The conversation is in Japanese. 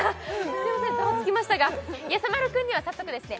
すいませんざわつきましたがやさ丸君には早速ですね